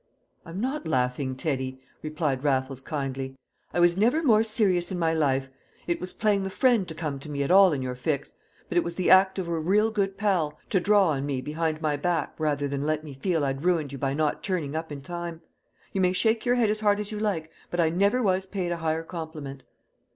"I'm not laughing, Teddy," replied Raffles kindly. "I was never more serious in my life. It was playing the friend to come to me at all in your fix, but it was the act of a real good pal to draw on me behind my back rather than let me feel I'd ruined you by not turning up in time. You may shake your head as hard as you like, but I never was paid a higher compliment."